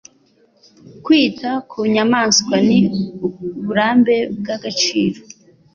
Kwita ku nyamaswa ni uburambe bw'agaciro.